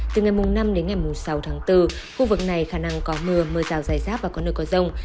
từ ngày năm đến ngày sáu tháng bốn khu vực này khả năng có mưa mưa rào dài rác và có nơi có rông